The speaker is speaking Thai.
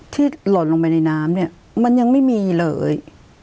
ที่หล่นลงไปในน้ำมันยังไม่มีเลย